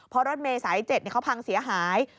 เพราะรถเมย์สาย๗เขาพังเสียหาย